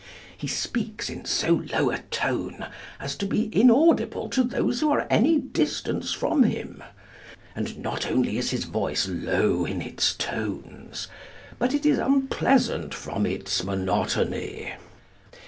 He speaks in so low a tone as to be inaudible to those who are any distance from him. And not only is his voice low in its tones, but it is unpleasant from its monotony.